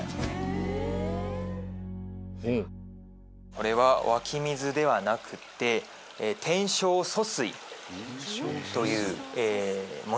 これは湧き水ではなくて天正疎水というものになります。